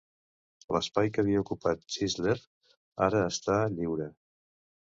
L'espai que havia ocupat Sizzler ara està lliure.